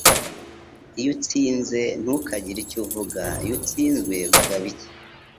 Iyo utsinze, ntukagire icyo uvuga. Iyo utsinzwe, vuga bike.